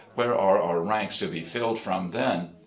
Where are our ranks to be filled from then?